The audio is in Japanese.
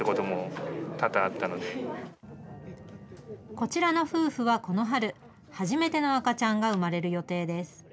こちらの夫婦はこの春、初めての赤ちゃんが生まれる予定です。